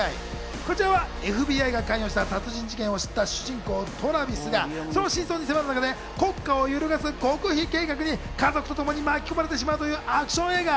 こちらはＦＢＩが関与した殺人事件を知った主人公・トラヴィスがその真相に迫る中で国家を揺るがす極秘計画に、家族とともに巻き込まれてしまうというアクション映画。